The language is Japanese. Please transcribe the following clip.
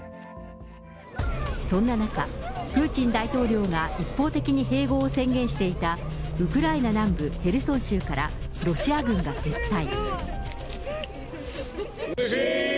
そんな中、プーチン大統領が一方的に併合を宣言していたウクライナ南部ヘルソン州からロシア軍が撤退。